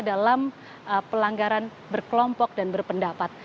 dalam pelanggaran berkelompok dan berpendapat